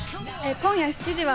今夜７時は『